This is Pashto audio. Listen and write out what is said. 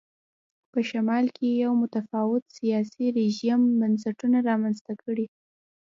په شمال کې یو متفاوت سیاسي رژیم بنسټونه رامنځته کړي.